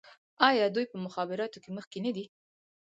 آیا دوی په مخابراتو کې مخکې نه دي؟